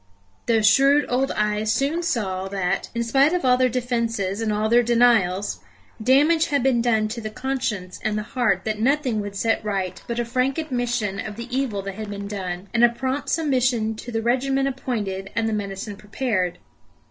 Those shrewd old eyes soon saw that, in spite of all their defences and all their denials, damage had been done to the conscience and the heart that nothing would set right but a frank admission of the evil that had been done, and a prompt submission to the regimen appointed and the medicine prepared.